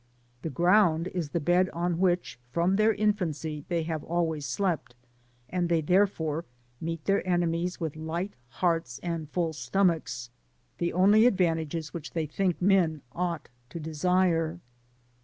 The ground is thi^ bed on which, from their infancyi they hav^ always slept, and they ther^re meet their enemies witi^ light hearts and full stomachs, the only advantiages which they think men ought to de^re.